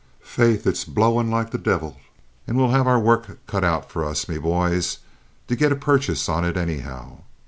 Faith, it's blo'in' like the dievle, and we'll have our work cut out for us, me bhoys, to git a purchase on it anyhow.